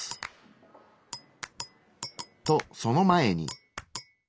とその前に。